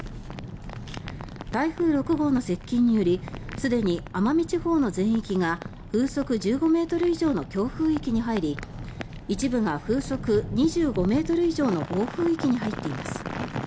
台風６号の接近によりすでに奄美地方の全域が風速１５ｍ以上の強風域に入り一部が風速２５ｍ以上の暴風域に入っています。